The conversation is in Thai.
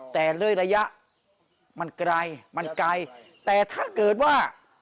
แต่เรื่อยระยะมันไกลมันไกลแต่ถ้าเกิดว่า